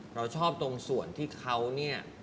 เราชอบตรงส่วนที่เขาเนี่ย